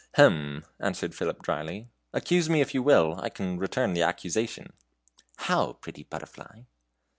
"Hem," answered Philip, dryly, "accuse me if you will, I can return the accusation." "How, pretty butterfly?"